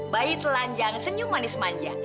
bayi telanjang senyum manis manja